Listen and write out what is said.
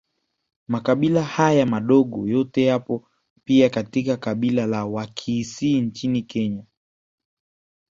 Makabila haya madogo yote yapo pia katika kabila la Wakisii nchini Kenya